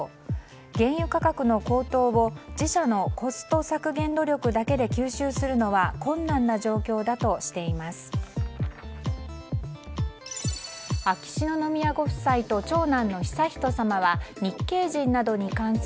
原油価格の高騰を自社のコスト削減努力だけで吸収するのは困難な状況だとしています。